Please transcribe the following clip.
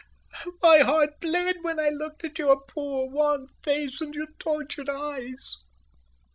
My heart bled when I looked at your poor wan face and your tortured eyes.